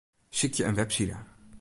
Sykje in webside.